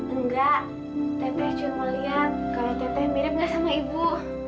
enggak tete cuma liat kalau tete mirip gak sama ibu